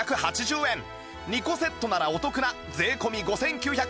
２個セットならお得な税込５９８０円